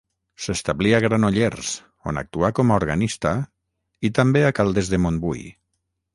S'establí a Granollers, on actuà com a organista, i també a Caldes de Montbui.